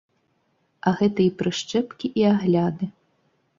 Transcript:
А гэта і прышчэпкі, і агляды.